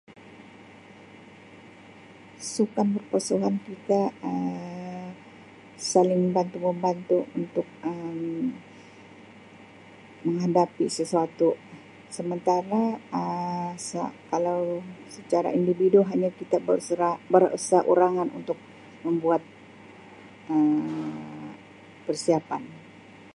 Sukan berpasukan kita Um saling bantu membantu untuk Um menghadapi sesuatu sementara Um kalau secara indidvidu hanya bersera merasa berseorangan untuk membuat Um persiapan.